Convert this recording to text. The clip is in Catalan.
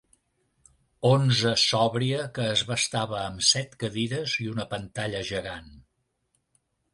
Onze sòbria que es bastava amb set cadires i una pantalla gegant.